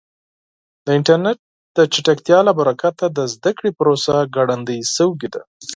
د انټرنیټ د چټکتیا له برکته د زده کړې پروسه ګړندۍ شوې ده.